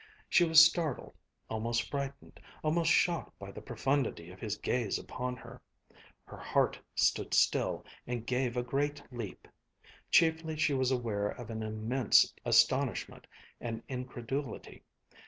She was startled, almost frightened, almost shocked by the profundity of his gaze upon her. Her heart stood still and gave a great leap. Chiefly she was aware of an immense astonishment and incredulity.